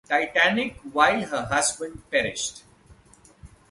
Titanic while her husband perished.